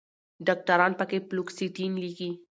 ډاکټران پکښې فلوکسیټين لیکي